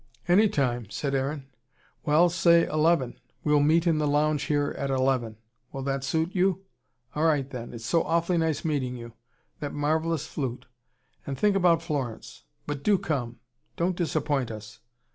"Any time," said Aaron. "Well, say eleven. We'll meet in the lounge here at eleven. Will that suit you? All right, then. It's so awfully nice meeting you. That marvellous flute. And think about Florence. But do come. Don't disappoint us."